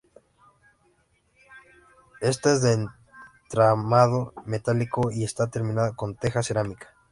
Ésta es de entramado metálico y está terminada con teja cerámica.